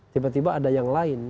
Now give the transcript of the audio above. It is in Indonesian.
tiba tiba ada yang lain